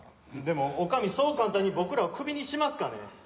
でも女将そう簡単に僕らをクビにしますかね？